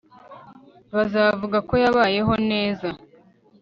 bazavuga ko yabayeho neza